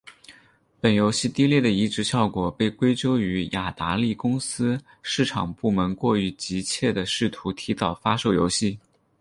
本游戏低劣的移植效果被归咎于雅达利公司市场部门过于急切地试图提早发售游戏。